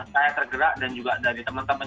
saya tergerak dan juga dari teman teman